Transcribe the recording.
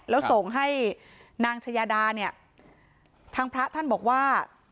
แล้วส่งให้นางชายาดาเนี่ยทางพระท่านบอกว่า